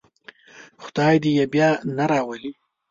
خدای دې یې بیا نه راولي.